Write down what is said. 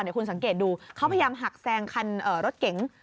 เดี๋ยวคุณสังเกตดูเขาพยายามหักแซงคันรถเก๋ง